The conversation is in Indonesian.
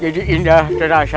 jadi indah terasa